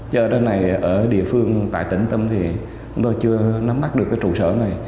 chứ ở đây này ở địa phương tại tỉnh tâm thì chúng tôi chưa nắm mắt được cái trụ sở này